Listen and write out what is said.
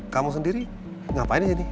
kamu sendiri ngapain disini